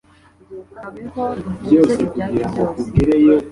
Kabeho duhuze ibyacu byose